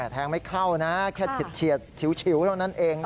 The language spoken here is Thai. แทงไม่เข้านะแค่เฉียดชิวเท่านั้นเอง